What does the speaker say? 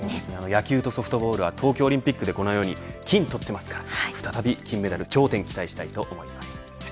野球とソフトボールは東京オリンピックでこのように金を取ってますから再び金メダル、頂点を期待したいと思います。